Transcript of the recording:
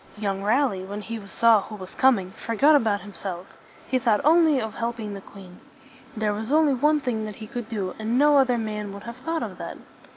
Young Raleigh, when he saw who was coming, forgot about himself. He thought only of helping the queen. There was only one thing that he could do, and no other man would have thought of that.